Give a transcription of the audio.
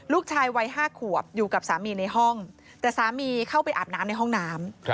ลูกชายวัย๕ขวบอยู่กับสามีในห้องแต่สามีเข้าไปอาบน้ำในห้องน้ำ